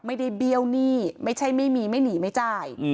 เบี้ยวหนี้ไม่ใช่ไม่มีไม่หนีไม่จ่าย